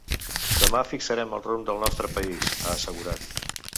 Demà fixarem el rumb del nostre país, ha assegurat.